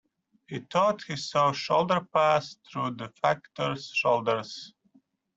He thought he saw a shudder pass through the Factor's shoulders.